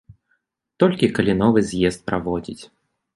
Толькі калі новы з'езд праводзіць.